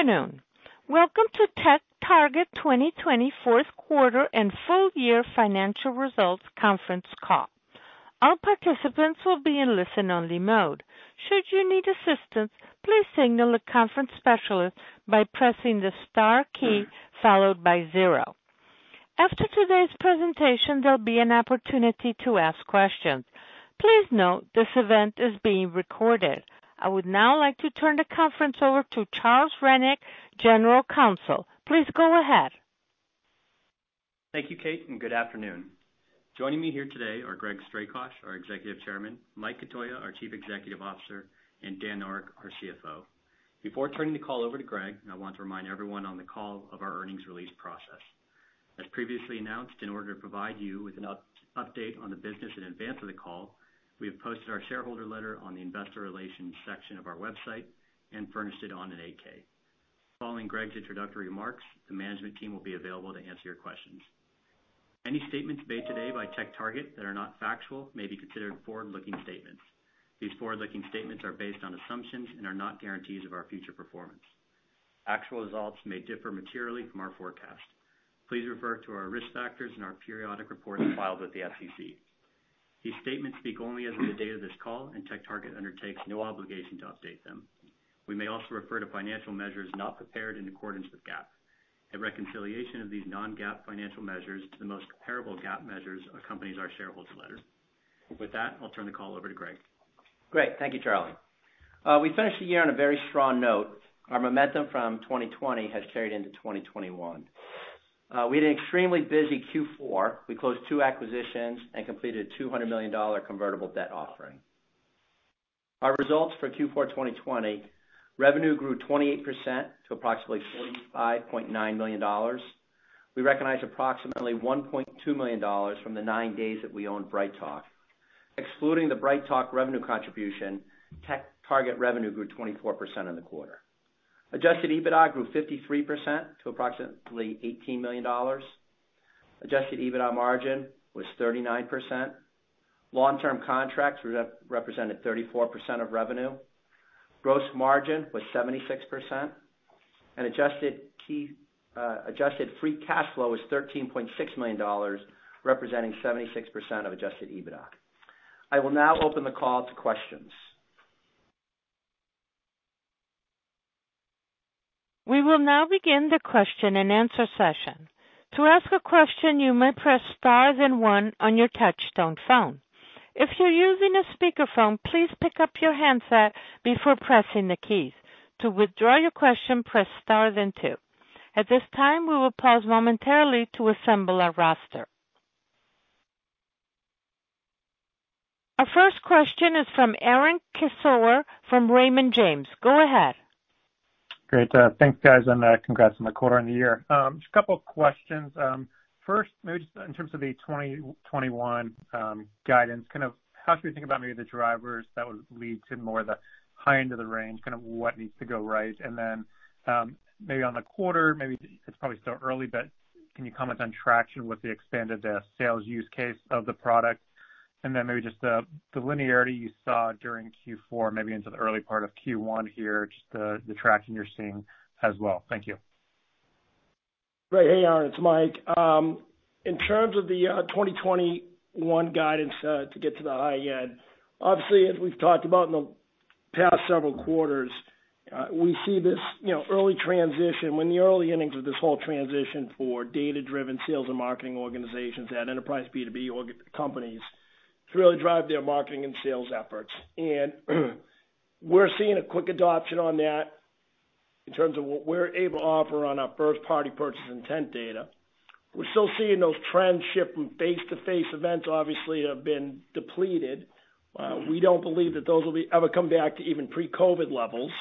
Good afternoon. Welcome to TechTarget 2020 Q4 and Full Year Financial Results Conference Call. All participants will be in listen-only mode. Should you need assistance, please signal the conference specialist by pressing the star key followed by zero. After today's presentation, there'll be an opportunity to ask questions. Please note this event is being recorded. I would now like to turn the conference over to Charles Rennick, General Counsel. Please go ahead. Thank you, Kate, and good afternoon. Joining me here today are Greg Strakosch, our Executive Chairman, Mike Cotoia, our Chief Executive Officer, and Dan Noreck, our CFO. Before turning the call over to Greg, I want to remind everyone on the call of our earnings release process. As previously announced, in order to provide you with an update on the business in advance of the call, we have posted our shareholder letter on the investor relations section of our website and furnished it on an 8-K. Following Greg's introductory remarks, the management team will be available to answer your questions. Any statements made today by TechTarget that are not factual may be considered forward-looking statements. These forward-looking statements are based on assumptions and are not guarantees of our future performance. Actual results may differ materially from our forecast. Please refer to our risk factors and our periodic reports filed with the SEC. These statements speak only as of the date of this call, and TechTarget undertakes no obligation to update them. We may also refer to financial measures not prepared in accordance with GAAP. A reconciliation of these non-GAAP financial measures to the most comparable GAAP measures accompanies our shareholder letter. With that, I'll turn the call over to Greg. Great. Thank you, Charlie. We finished the year on a very strong note. Our momentum from 2020 has carried into 2021. We had an extremely busy Q4. We closed two acquisitions and completed a $200 million convertible debt offering. Our results for Q4 2020: revenue grew 28% to approximately $45.9 million. We recognized approximately $1.2 million from the nine days that we owned BrightTALK. Excluding the BrightTALK revenue contribution, TechTarget revenue grew 24% in the quarter. Adjusted EBITDA grew 53% to approximately $18 million. Adjusted EBITDA margin was 39%. Long-term contracts represented 34% of revenue. Gross margin was 76%. And Adjusted Free Cash Flow was $13.6 million, representing 76% of Adjusted EBITDA. I will now open the call to questions. We will now begin the question and answer session. To ask a question, you may press star and one on your touch-tone phone. If you're using a speakerphone, please pick up your handset before pressing the keys. To withdraw your question, press star and two. At this time, we will pause momentarily to assemble our roster. Our first question is from Aaron Kessler from Raymond James. Go ahead. Great. Thanks, guys. And congrats on the quarter and the year. Just a couple of questions. First, maybe just in terms of the 2021 guidance, kind of how should we think about maybe the drivers that would lead to more of the high end of the range, kind of what needs to go right? And then maybe on the quarter, maybe it's probably still early, but can you comment on traction with the expanded sales use case of the product? And then maybe just the linearity you saw during Q4, maybe into the early part of Q1 here, just the traction you're seeing as well. Thank you. Great. Hey, Aaron. It's Mike. In terms of the 2021 guidance to get to the high end, obviously, as we've talked about in the past several quarters, we're in the early innings of this whole transition for data-driven sales and marketing organizations at enterprise B2B companies to really drive their marketing and sales efforts. And we're seeing a quick adoption on that in terms of what we're able to offer on our first-party purchase intent data. We're still seeing those trends shift from face-to-face events, obviously, that have been depleted. We don't believe that those will ever come back to even pre-COVID levels.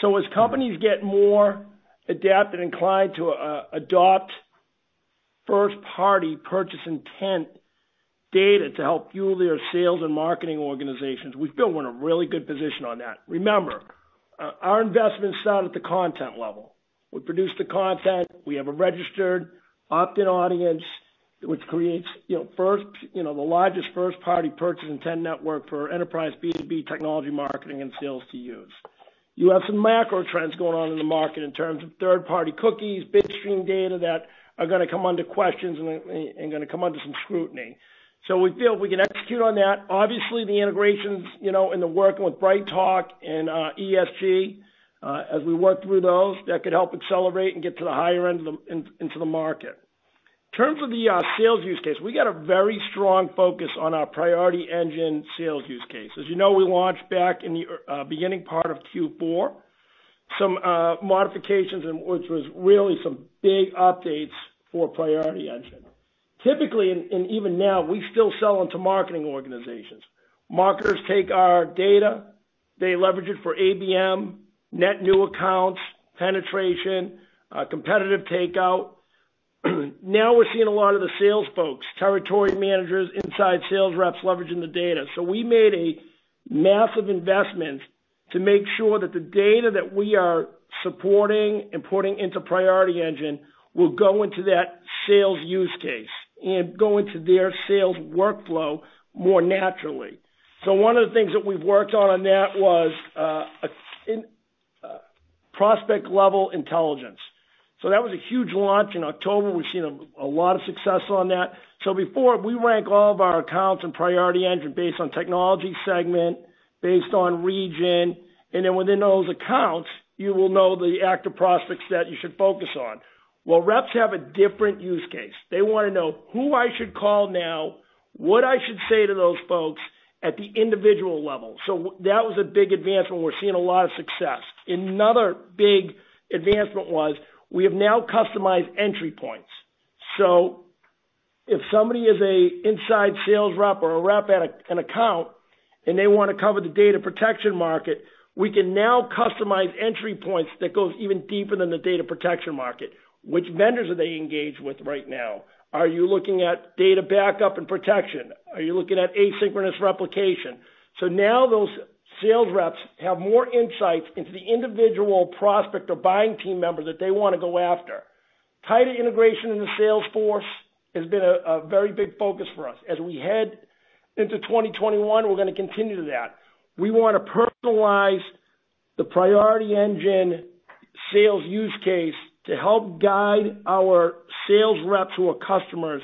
So as companies get more adapted and inclined to adopt first-party purchase intent data to help fuel their sales and marketing organizations, we've been in a really good position on that. Remember, our investment started at the content level. We produce the content. We have a registered, opt-in audience, which creates the largest first-party purchase intent network for enterprise B2B technology marketing and sales to use. You have some macro trends going on in the market in terms of third-party cookies, bidstream data that are going to come under questions and going to come under some scrutiny. So we feel we can execute on that. Obviously, the integrations and the work with BrightTALK and ESG, as we work through those, that could help accelerate and get to the higher end into the market. In terms of the sales use case, we got a very strong focus on our Priority Engine sales use case. As you know, we launched back in the beginning part of Q4 some modifications, which was really some big updates for Priority Engine. Typically, and even now, we still sell into marketing organizations. Marketers take our data. They leverage it for ABM, net new accounts, penetration, competitive takeout. Now we're seeing a lot of the sales folks, territory managers, inside sales reps leveraging the data. So we made a massive investment to make sure that the data that we are supporting and putting into Priority Engine will go into that sales use case and go into their sales workflow more naturally. So one of the things that we've worked on that was Prospect-Level Intelligence. So that was a huge launch in October. We've seen a lot of success on that. So before, we rank all of our accounts in Priority Engine based on technology segment, based on region. And then within those accounts, you will know the active prospects that you should focus on. Well, reps have a different use case. They want to know who I should call now, what I should say to those folks at the individual level. So that was a big advancement. We're seeing a lot of success. Another big advancement was we have now customized entry points. So if somebody is an inside sales rep or a rep at an account and they want to cover the data protection market, we can now customize entry points that go even deeper than the data protection market. Which vendors are they engaged with right now? Are you looking at data backup and protection? Are you looking at asynchronous replication? So now those sales reps have more insights into the individual prospect or buying team member that they want to go after. Tighter integration in the Salesforce has been a very big focus for us. As we head into 2021, we're going to continue that. We want to personalize the Priority Engine sales use case to help guide our sales reps who are customers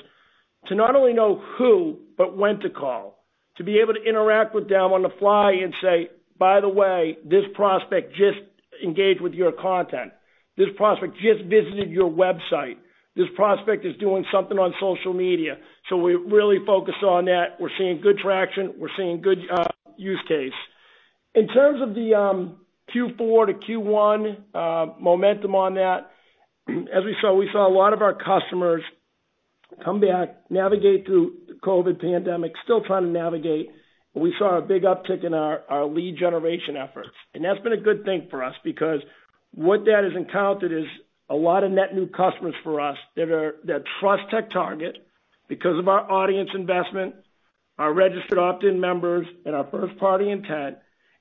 to not only know who, but when to call, to be able to interact with them on the fly and say, "By the way, this prospect just engaged with your content. This prospect just visited your website. This prospect is doing something on social media." So we really focus on that. We're seeing good traction. We're seeing good use case. In terms of the Q4 to Q1 momentum on that, as we saw, we saw a lot of our customers come back, navigate through the COVID pandemic, still trying to navigate. We saw a big uptick in our lead generation efforts. That's been a good thing for us because what that has encountered is a lot of net new customers for us that trust TechTarget because of our audience investment, our registered opt-in members, and our first-party intent.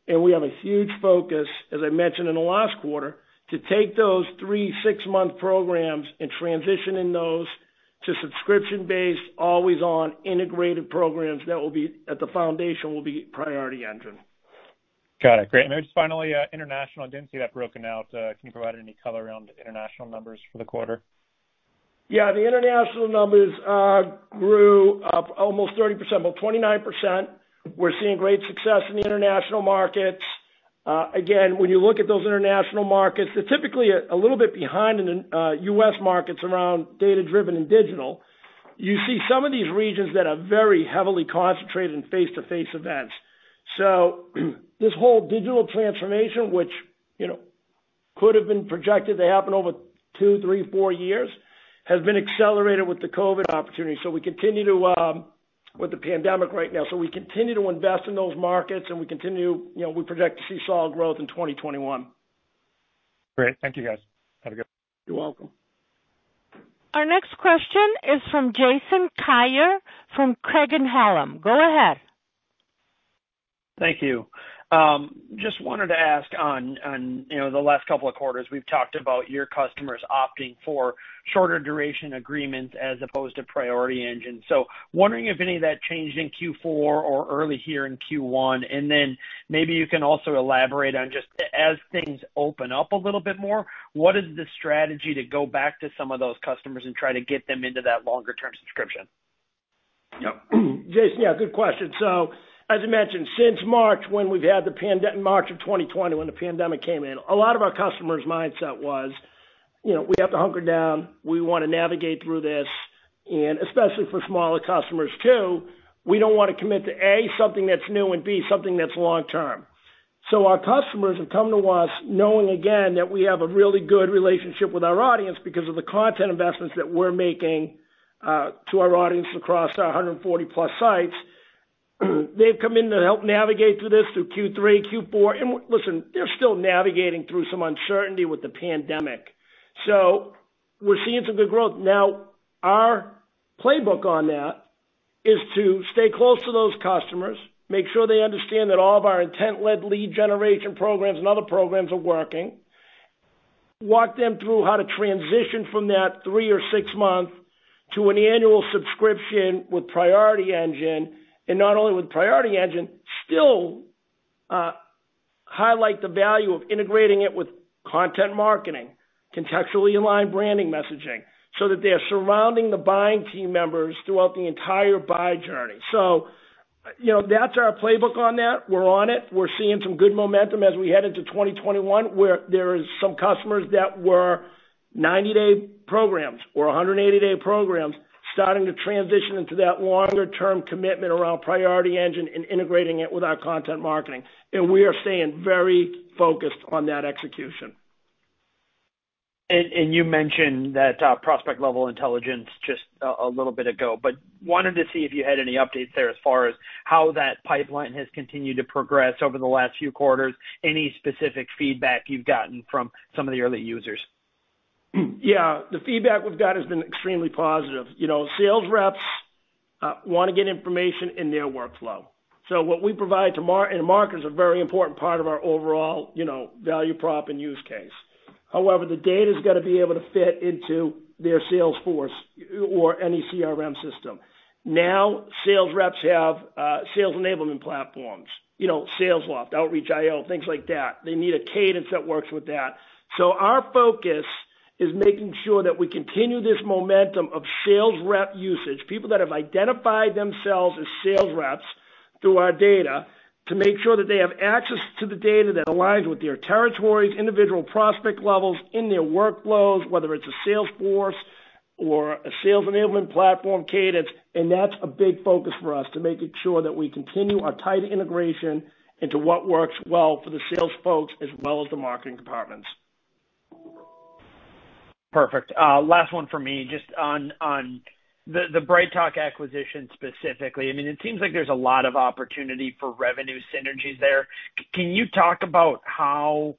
We have a huge focus, as I mentioned in the last quarter, to take those three, six-month programs and transition in those to subscription-based, always-on integrated programs that will be at the foundation Priority Engine. Got it. Great. And maybe just finally, international, I didn't see that broken out. Can you provide any color around international numbers for the quarter? Yeah. The international numbers grew up almost 30%, about 29%. We're seeing great success in the international markets. Again, when you look at those international markets, they're typically a little bit behind in the U.S. markets around data-driven and digital. You see some of these regions that are very heavily concentrated in face-to-face events. So this whole digital transformation, which could have been projected to happen over two, three, four years, has been accelerated with the COVID opportunity. So we continue to, with the pandemic right now, invest in those markets, and we project to see solid growth in 2021. Great. Thank you, guys. Have a good one. You're welcome. Our next question is from Jason Kreyer from Craig-Hallum. Go ahead. Thank you. Just wanted to ask on the last couple of quarters, we've talked about your customers opting for shorter-duration agreements as opposed to Priority Engine. So wondering if any of that changed in Q4 or early here in Q1. And then maybe you can also elaborate on just as things open up a little bit more, what is the strategy to go back to some of those customers and try to get them into that longer-term subscription? Yep. Jason, yeah, good question. So as I mentioned, since March, when we've had the March of 2020, when the pandemic came in, a lot of our customers' mindset was, "We have to hunker down. We want to navigate through this." And especially for smaller customers, too, we don't want to commit to, A, something that's new, and B, something that's long-term. So our customers have come to us knowing, again, that we have a really good relationship with our audience because of the content investments that we're making to our audience across our 140-plus sites. They've come in to help navigate through this through Q3, Q4. And listen, they're still navigating through some uncertainty with the pandemic. So we're seeing some good growth. Now, our playbook on that is to stay close to those customers, make sure they understand that all of our intent-led lead generation programs and other programs are working, walk them through how to transition from that three or six-month to an annual subscription with Priority Engine, and not only with Priority Engine, still highlight the value of integrating it with content marketing, contextually aligned branding messaging, so that they are surrounding the buying team members throughout the entire buy journey. So that's our playbook on that. We're on it. We're seeing some good momentum as we head into 2021, where there are some customers that were 90-day programs or 180-day programs starting to transition into that longer-term commitment around Priority Engine and integrating it with our content marketing. And we are staying very focused on that execution. And you mentioned that Prospect-Level Intelligence just a little bit ago, but wanted to see if you had any updates there as far as how that pipeline has continued to progress over the last few quarters, any specific feedback you've gotten from some of the early users? Yeah. The feedback we've got has been extremely positive. Sales reps want to get information in their workflow. So what we provide to marketers is a very important part of our overall value prop and use case. However, the data is going to be able to fit into their Salesforce or any CRM system. Now, sales reps have sales enablement platforms, SalesLoft, Outreach.io, things like that. They need a cadence that works with that. So our focus is making sure that we continue this momentum of sales rep usage, people that have identified themselves as sales reps through our data, to make sure that they have access to the data that aligns with their territories, individual prospect levels in their workflows, whether it's a Salesforce or a sales enablement platform cadence. That's a big focus for us to make sure that we continue our tight integration into what works well for the sales folks as well as the marketing departments. Perfect. Last one for me, just on the BrightTALK acquisition specifically. I mean, it seems like there's a lot of opportunity for revenue synergies there. Can you talk about how,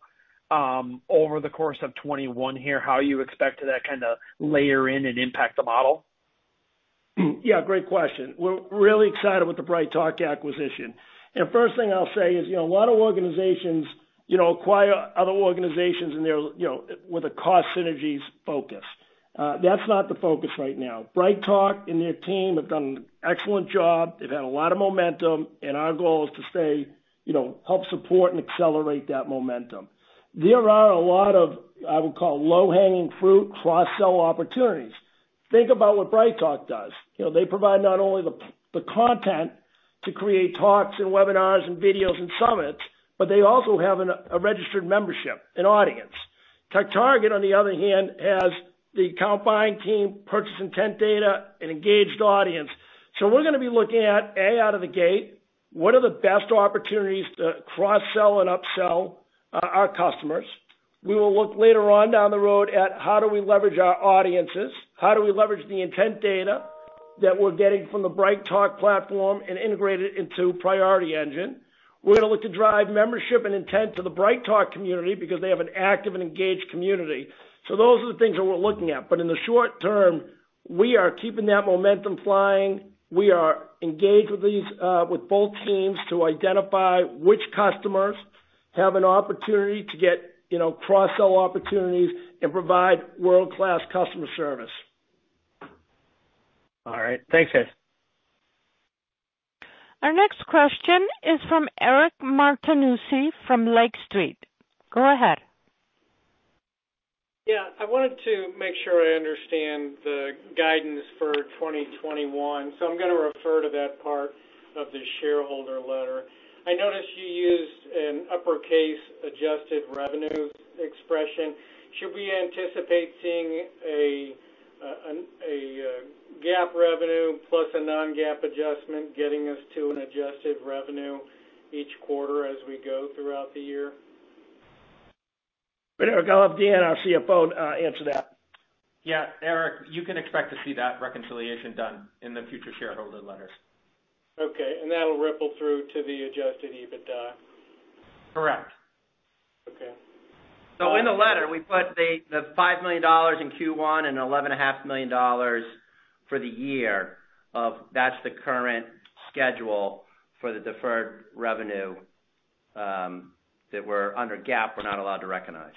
over the course of 2021 here, how you expect that kind of layer in and impact the model? Yeah. Great question. We're really excited with the BrightTALK acquisition. And first thing I'll say is a lot of organizations acquire other organizations with a cost synergies focus. That's not the focus right now. BrightTALK and their team have done an excellent job. They've had a lot of momentum. And our goal is to stay, help support, and accelerate that momentum. There are a lot of, I would call, low-hanging fruit, cross-sell opportunities. Think about what BrightTALK does. They provide not only the content to create talks and webinars and videos and summits, but they also have a registered membership, an audience. TechTarget, on the other hand, has the company buying team, purchase intent data, and engaged audience. So we're going to be looking at, A, out of the gate, what are the best opportunities to cross-sell and upsell our customers? We will look later on down the road at how do we leverage our audiences? How do we leverage the intent data that we're getting from the BrightTALK platform and integrate it into Priority Engine? We're going to look to drive membership and intent to the BrightTALK community because they have an active and engaged community. So those are the things that we're looking at. But in the short term, we are keeping that momentum flying. We are engaged with both teams to identify which customers have an opportunity to get cross-sell opportunities and provide world-class customer service. All right. Thanks, guys. Our next question is from Eric Martinuzzi from Lake Street. Go ahead. Yeah. I wanted to make sure I understand the guidance for 2021. So I'm going to refer to that part of the shareholder letter. I noticed you used an uppercase adjusted revenue expression. Should we anticipate seeing a GAAP revenue plus a non-GAAP adjustment getting us to an adjusted revenue each quarter as we go throughout the year? Eric, I'll have Dan, our CFO, answer that. Yeah. Eric, you can expect to see that reconciliation done in the future shareholder letters. Okay, and that'll ripple through to the Adjusted EBITDA? Correct. Okay. So in the letter, we put the $5 million in Q1 and $11.5 million for the year. That's the current schedule for the deferred revenue that we're under GAAP, we're not allowed to recognize.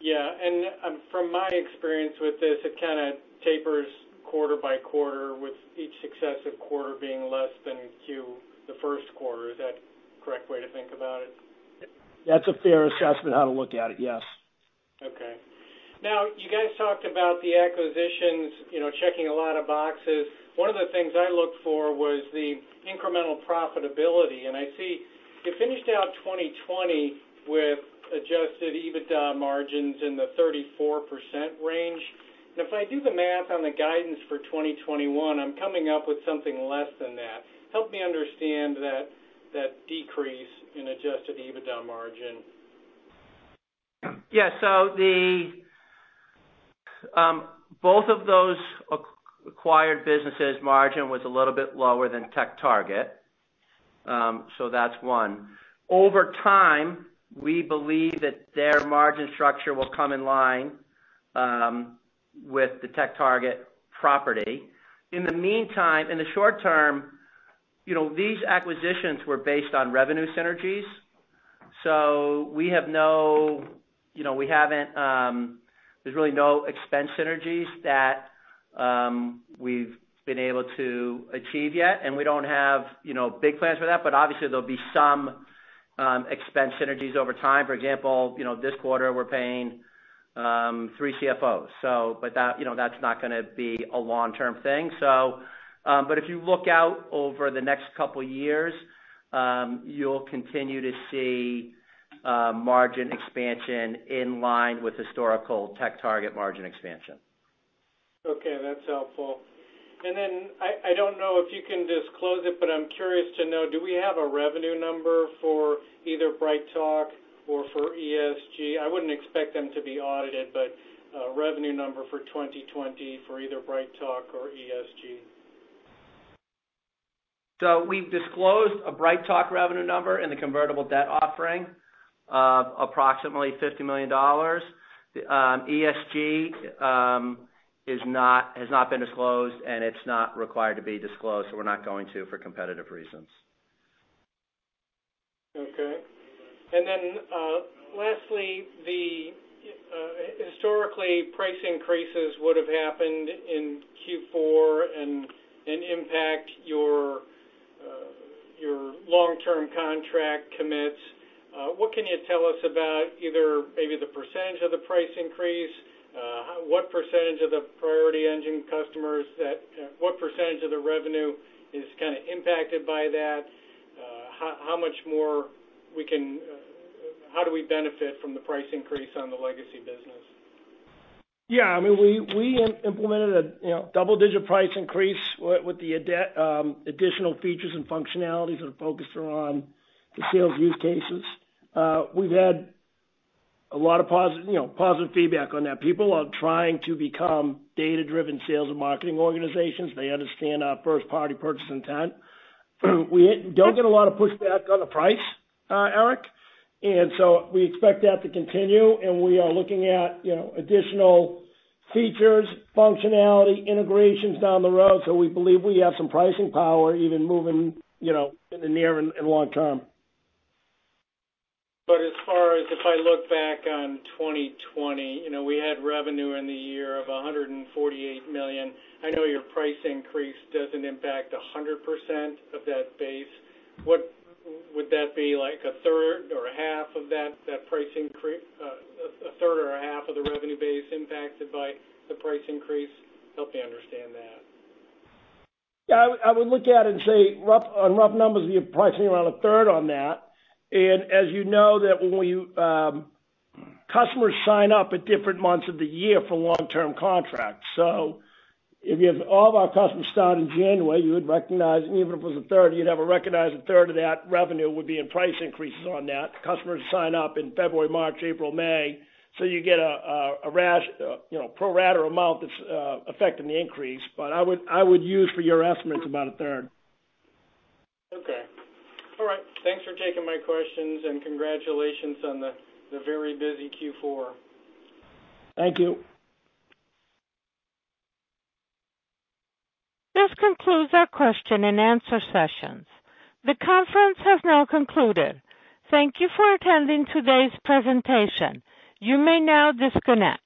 Yeah. And from my experience with this, it kind of tapers quarter by quarter with each successive quarter being less than the Q1. Is that the correct way to think about it? That's a fair assessment, how to look at it. Yes. Okay. Now, you guys talked about the acquisitions, checking a lot of boxes. One of the things I looked for was the incremental profitability. And I see you finished out 2020 with Adjusted EBITDA margins in the 34% range. And if I do the math on the guidance for 2021, I'm coming up with something less than that. Help me understand that decrease in Adjusted EBITDA margin. Yeah, so both of those acquired businesses' margin was a little bit lower than TechTarget, so that's one. Over time, we believe that their margin structure will come in line with the TechTarget property. In the meantime, in the short term, these acquisitions were based on revenue synergies, so we have no, there's really no expense synergies that we've been able to achieve yet, and we don't have big plans for that, but obviously, there'll be some expense synergies over time. For example, this quarter, we're paying three CFOs, but that's not going to be a long-term thing, but if you look out over the next couple of years, you'll continue to see margin expansion in line with historical TechTarget margin expansion. Okay. That's helpful. And then I don't know if you can disclose it, but I'm curious to know, do we have a revenue number for either BrightTALK or for ESG? I wouldn't expect them to be audited, but a revenue number for 2020 for either BrightTALK or ESG. So we've disclosed a BrightTALK revenue number in the convertible debt offering, approximately $50 million. ESG has not been disclosed, and it's not required to be disclosed. So we're not going to for competitive reasons. Okay. And then lastly, historically, price increases would have happened in Q4 and impact your long-term contract commits. What can you tell us about either maybe the percentage of the price increase? What percentage of the Priority Engine customers—what percentage of the revenue is kind of impacted by that? How do we benefit from the price increase on the legacy business? Yeah. I mean, we implemented a double-digit price increase with the additional features and functionalities that are focused around the sales use cases. We've had a lot of positive feedback on that. People are trying to become data-driven sales and marketing organizations. They understand our first-party purchase intent. We don't get a lot of pushback on the price, Eric, and so we expect that to continue, and we are looking at additional features, functionality, integrations down the road, so we believe we have some pricing power, even moving in the near and long term. But as far as if I look back on 2020, we had revenue in the year of $148 million. I know your price increase doesn't impact 100% of that base. Would that be like a third or a half of that price increase? A third or a half of the revenue base impacted by the price increase? Help me understand that. Yeah. I would look at it and say, on rough numbers, you're pricing around a third on that. And as you know, customers sign up at different months of the year for long-term contracts. So if you have all of our customers start in January, you would recognize, and even if it was a third, you'd have recognized a third of that revenue would be in price increases on that. Customers sign up in February, March, April, May. So you get a pro rata amount that's affecting the increase. But I would use for your estimates about a third. Okay. All right. Thanks for taking my questions, and congratulations on the very busy Q4. Thank you. This concludes our question and answer sessions. The conference has now concluded. Thank you for attending today's presentation. You may now disconnect.